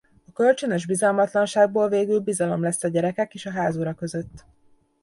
A kölcsönös bizalmatlanságból végül bizalom lesz a gyerekek és a ház ura között.